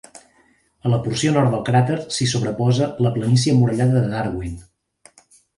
A la porció nord del cràter s'hi sobreposa la planícia emmurallada de Darwin.